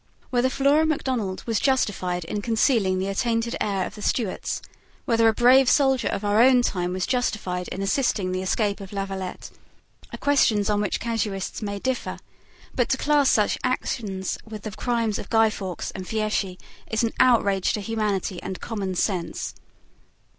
Whether Flora Macdonald was justified in concealing the attainted heir of the Stuarts, whether a brave soldier of our own time was justified in assisting the escape of Lavalette, are questions on which casuists may differ: but to class such actions with the crimes of Guy Faux and Fieschi is an outrage to humanity and common sense.